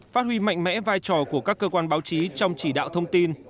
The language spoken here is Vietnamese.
phát huy mạnh mẽ vai trò của các cơ quan báo chí trong chỉ đạo thông tin